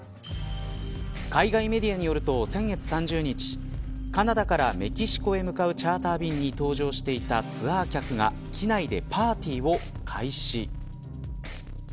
海外メディアによると先月３０日カナダからメキシコへ向かうチャーター便に搭乗していたツアー客が機内でパーティーを開始。